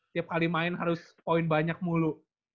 tiap kali main harus poin banyak mulu